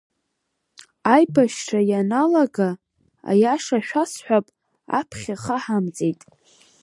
Аибашьра ианалага, аиаша шәасҳәап, аԥхьа ихаҳамҵеит.